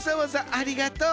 ありがとう。